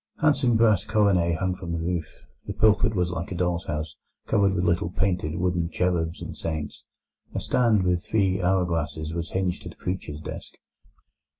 Handsome brass coronae hung from the roof; the pulpit was like a doll's house covered with little painted wooden cherubs and saints; a stand with three hour glasses was hinged to the preacher's desk.